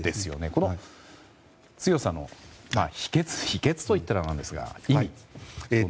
この強さの秘訣秘訣と言ったらなんですが。